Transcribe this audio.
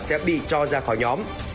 sẽ bị cho ra khỏi nhóm